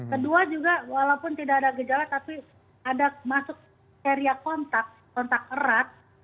kedua juga walaupun tidak ada gejala tapi ada masuk area kontak kontak erat